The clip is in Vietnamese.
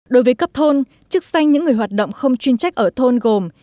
đối với cấp thôn chức danh những người hoạt động không chuyên trách ở thôn gồm